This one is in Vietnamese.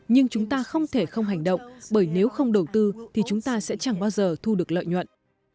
nhưng chúng ta không thể không hành động bởi nếu không đầu tư thì chúng ta sẽ chẳng bao giờ thu được lợi nhuận